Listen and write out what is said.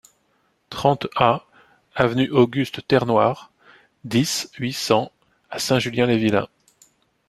trente A avenue Auguste Terrenoire, dix, huit cents à Saint-Julien-les-Villas